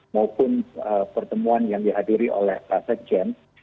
maupun pertemuan yang dihadiri oleh prasejen